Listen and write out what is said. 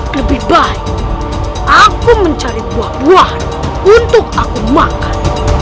lebih baik aku mencari buah buah untuk aku makan